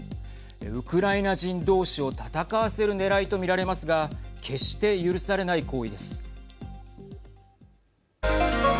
ウクライナ人同士を戦わせるねらいと見られますが決して許されない行為です。